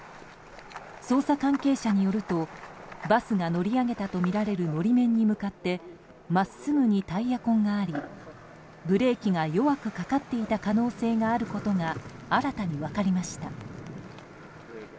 捜査関係者によるとバスが乗り上げたとみられる法面に向かって真っすぐにタイヤ痕がありブレーキが弱くかかっていた可能性があることが新たに分かりました。